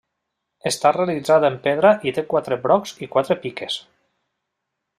Està realitzada en pedra i té quatre brocs i quatre piques.